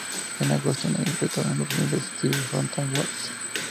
En agosto, la interpretó en los Irresistible Fanta Awards.